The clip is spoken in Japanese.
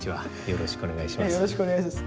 よろしくお願いします。